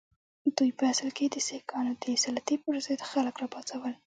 دوی په اصل کې د سیکهانو د سلطې پر ضد خلک را وپاڅول.